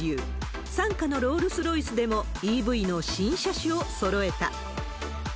傘下のロールス・ロイスでも、ＥＶの新車種をそろえた。